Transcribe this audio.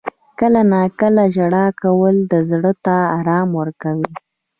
• کله ناکله ژړا کول زړه ته آرام ورکوي.